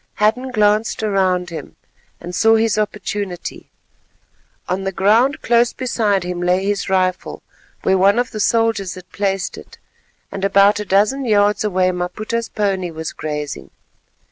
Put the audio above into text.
Hadden glanced around him, and saw his opportunity. On the ground close beside him lay his rifle, where one of the soldiers had placed it, and about a dozen yards away Maputa's pony was grazing.